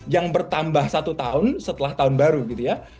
yang bertambah satu tahun setelah tahun baru gitu ya